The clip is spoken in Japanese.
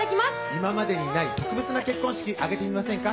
今までにない特別な結婚式挙げてみませんか？